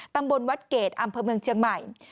ตำบลวัดเกรดอำเภอเมืองเชียงใหม่